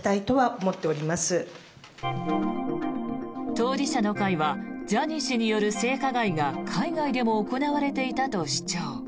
当事者の会はジャニー氏による性加害が海外でも行われていたと主張。